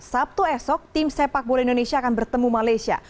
sabtu esok tim sepak bola indonesia akan bertemu malaysia